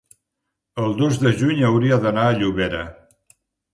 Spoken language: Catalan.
el dos de juny hauria d'anar a Llobera.